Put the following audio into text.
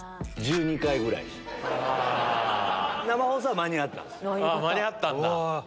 間に合ったんだ。